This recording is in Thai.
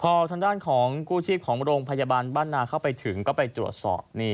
พอทางด้านของกู้ชีพของโรงพยาบาลบ้านนาเข้าไปถึงก็ไปตรวจสอบ